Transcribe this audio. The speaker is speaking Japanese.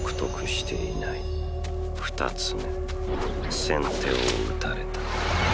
２つめ先手を打たれた。